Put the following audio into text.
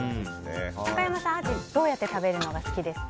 中山さん、アジはどうやって食べるのが好きですか？